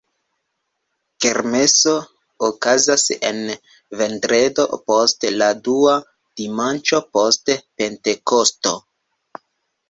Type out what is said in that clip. Kermeso okazas en vendredo post la dua dimanĉo post Pentekosto.